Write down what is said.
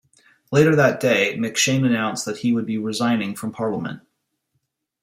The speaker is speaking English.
Later that day, MacShane announced that he would be resigning from Parliament.